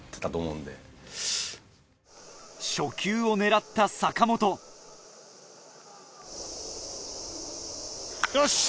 初球を狙った坂本よっしゃ！